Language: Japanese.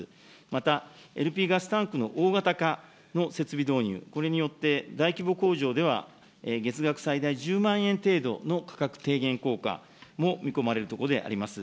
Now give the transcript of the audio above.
またＬＰガスタンクの大型化の設備導入、これによって、大規模工場では、月額最大１０万円程度の価格低減効果も見込まれるところであります。